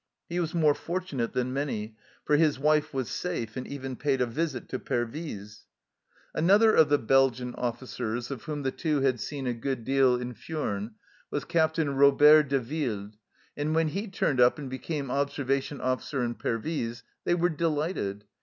He was more fortunate than many, for his wife was safe, and even paid a visit to Pervyse. THE CELLAR HOUSE OF PERVYSE Another of the Belgian officers of whom the Two had seen a good deal in Furnes was Captain Robert de Wilde, and when he turned up and became observation officer in Pervyse they were delighted.